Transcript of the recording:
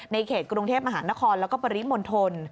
เขตกรุงเทพมหานครแล้วก็ปริมณฑล